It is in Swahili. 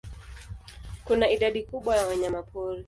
Kuna idadi kubwa ya wanyamapori.